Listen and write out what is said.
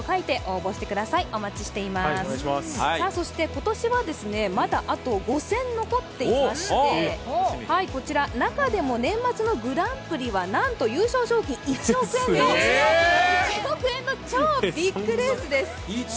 今年はまだあと５戦残っていまして中でも年末のグランプリはなんと優勝賞金１億円の超ビッグレースです。